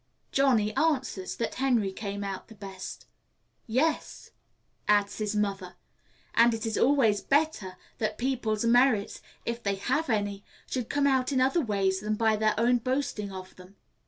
Johnny answers that Henry came out best. "Yes," adds his mother, "and it is always better that people's merits, if they have any, should come out in other ways than by their own boasting of them."